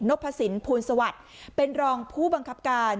พสินภูลสวัสดิ์เป็นรองผู้บังคับการ